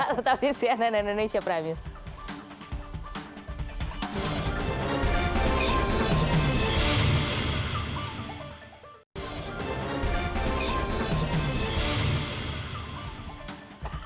tetap di cnn indonesia prime news